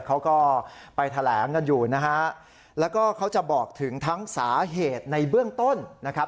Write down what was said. เขาก็ไปแถลงกันอยู่นะฮะแล้วก็เขาจะบอกถึงทั้งสาเหตุในเบื้องต้นนะครับ